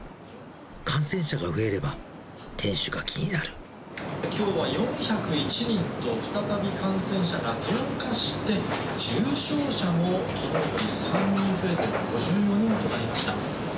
感染者が増えれば、店主が気になきょうは４０１人と、再び感染者が増加して、重症者も、きのうより３人増えて５４人となりました。